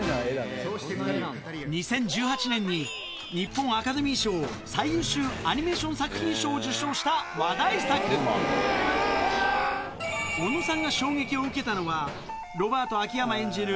２０１８年に日本アカデミー賞最優秀アニメーション作品賞を受賞した話題作小野さんが衝撃を受けたのはロバート・秋山演じる